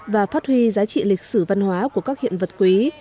và phát huy giá trị lịch sử văn hóa của các hiện vật quý